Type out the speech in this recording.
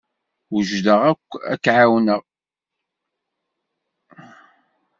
Wejdeɣ ad k-ɛawneɣ.